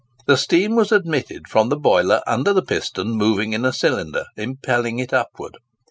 The steam was admitted from the boiler under the piston moving in a cylinder, impelling it upward.